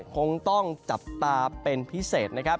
คงต้องจับตาเป็นพิเศษนะครับ